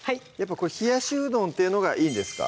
これ冷やしうどんっていうのがいいんですか？